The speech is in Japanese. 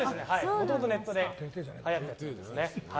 もともと、ネットではやったものですね。